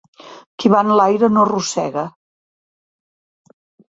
Qui va enlaire, no arrossega.